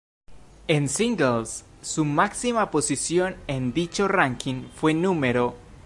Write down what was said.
En singles su máxima posición en dicho ranking fue No.